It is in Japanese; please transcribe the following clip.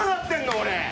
俺。